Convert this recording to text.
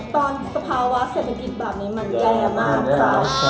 ตอนสภาวะเศรษฐศิลป์แบบนี้มันแรร์มากค่ะ